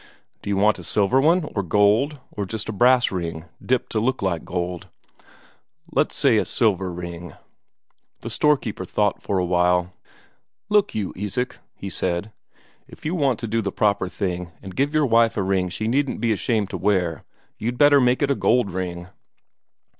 "Do you want a silver one, or gold, or just a brass ring dipped to look like gold?" "Let's say a silver ring." The storekeeper thought for a while. "Look you, Isak," he said. "If you want to do the proper thing, and give your wife a ring she needn't be ashamed to wear, you'd better make it a gold ring."